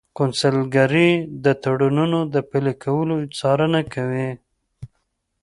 قونسلګرۍ د تړونونو د پلي کولو څارنه کوي